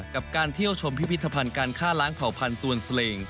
กับการเที่ยวชมพิพิธภัณฑ์การฆ่าล้างเผ่าพันธวนเสลง